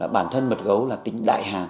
bản thân mật gấu là tính đại của chúng